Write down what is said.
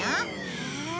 へえ。